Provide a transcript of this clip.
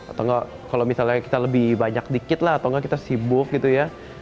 atau enggak kalau misalnya kita lebih banyak dikit lah atau enggak kita sibuk gitu ya